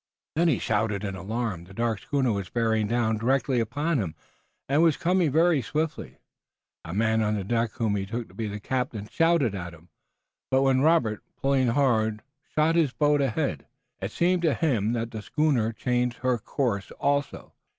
Then he shouted in alarm. The dark schooner was bearing down directly upon him, and was coming very swiftly. A man on the deck whom he took to be the captain shouted at him, but when Robert, pulling hard, shot his boat ahead, it seemed to him that the schooner changed her course also.